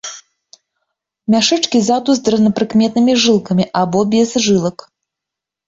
Мяшэчкі ззаду з дрэнна прыкметнымі жылкамі або без жылак.